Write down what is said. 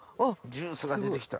ジュースが出て来た。